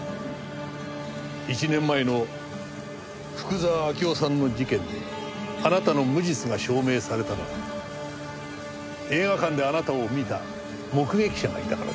１年前の福沢明夫さんの事件であなたの無実が証明されたのは映画館であなたを見た目撃者がいたからです。